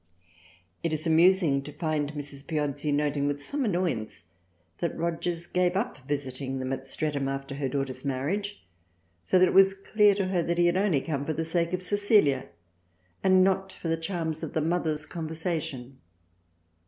It is amusing to find Mrs. Piozzi noting with some annoyance that Rogers gave up visiting them at Streatham after her daughter's marriage, so that it was clear to her that he had only come for the sake of Cecilia and not for the charms of the mother's conver sation.